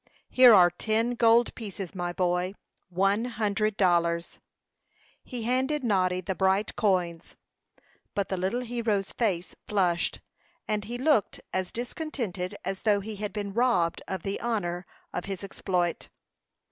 "Here are ten gold pieces, my boy one hundred dollars." He handed Noddy the bright coins; but the little hero's face flushed, and he looked as discontented as though he had been robbed of the honor of his exploit.